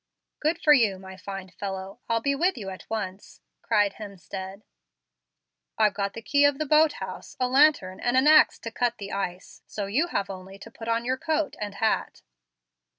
"Good for you, my fine fellow. I'll be with you at once," cried Hemstead. "I've got the key of the boat house, a lantern, and an axe to cut the ice, so you have only to put on your coat and hat."